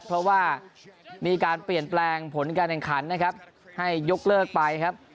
เพราะว่ามีการเปลี่ยนแปลงผลการแข่งขันนะครับให้ยกเลิกไปครับ